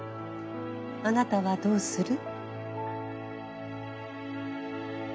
あなたはどうする？